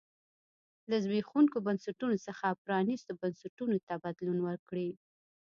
له زبېښونکو بنسټونو څخه پرانیستو بنسټونو ته بدلون وکړي.